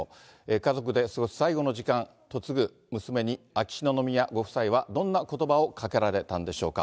家族で過ごす最後の時間、嫁ぐ娘に秋篠宮ご夫妻は、どんなことばをかけられたんでしょうか。